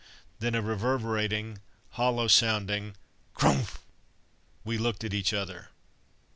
then a reverberating, hollow sounding "crumph!" We looked at each other.